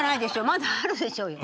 まだあるでしょうよ。